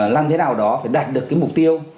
làm thế nào đó phải đạt được mục tiêu